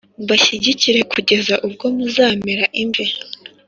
mbashyigikire kugeza ubwo muzamera imvi.